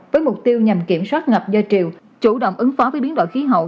với mục tiêu nhằm kiểm soát ngập do triều chủ động ứng phó với biến đổi khí hậu